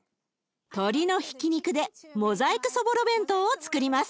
鶏のひき肉でモザイクそぼろ弁当をつくります。